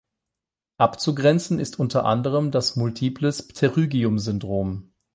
Abzugrenzen ist unter anderem das Multiples Pterygium-Syndrom.